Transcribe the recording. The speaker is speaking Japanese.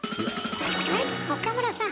はい岡村さん